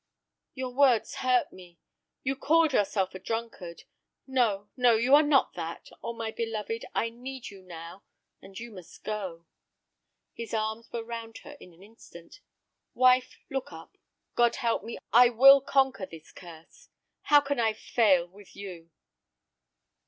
"Your words hurt me. You called yourself a drunkard. No, no, you are not that. Oh, my beloved, I need you now—and you must go." His arms were round her in an instant. "Wife, look up. God help me, I will conquer the curse! How can I fail, with you?"